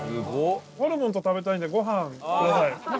ホルモンと食べたいのでご飯ください。